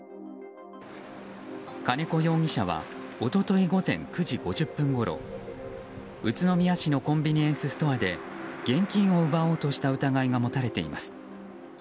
金子容疑者は一昨日午前９時５０分ごろ宇都宮市のコンビニエンスストアで現金を奪おうとした疑いが持たれています。